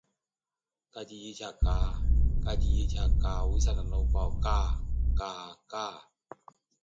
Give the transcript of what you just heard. Between the towers floats a green Linden bough, and the red-white-red "Bindenschild".